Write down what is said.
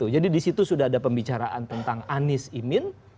jadi disitu sudah ada pembicaraan tentang anies imin